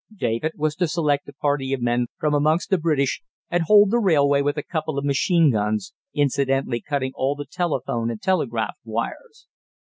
David was to select a party of men from amongst the British and hold the railway with a couple of machine guns, incidentally cutting all the telephone and telegraph wires.